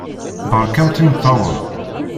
Beṛkamt imeṭṭawen.